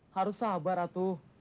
harus sabar atuh